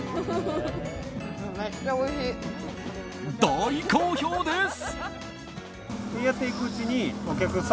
大好評です！